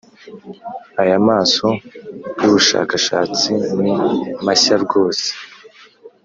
Aya maso y ubushakashatsi ni mashya rwose.